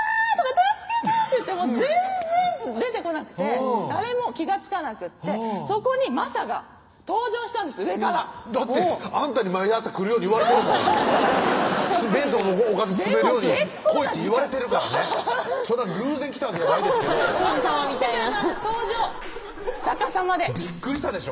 助けて！」って言っても全然出てこなくて誰も気が付かなくってそこにまさが登場したんです上からだってあんたに毎朝来るように言われてるもん弁当のおかず詰めるように来いって言われてるからね偶然来たんじゃないですけど王子さまみたいな逆さまでびっくりしたでしょ？